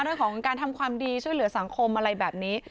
เรื่องของการทำความดีช่วยเหลือสังคมอะไรแบบนี้